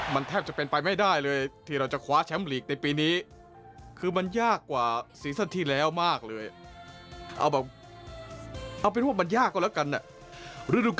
มันแทบจะเป็นไปไม่ได้เลยที่เราจะคว้าแชมป์ลีกในปีนี้คือมันยากกว่าสีเซ่นที่แล้วมากเลยเอามาพี่อาเป็นว่ามันยากก็แล้วกันเนี่ย